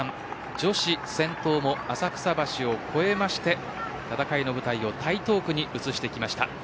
女子先頭も浅草橋を越えまして戦いの舞台を台東区に移してきました。